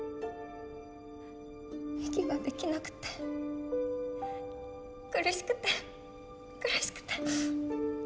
息ができなくて苦しくて苦しくて。